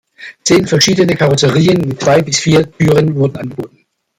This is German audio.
Zehn verschiedene Karosserien mit zwei bis vier Türen wurden angeboten.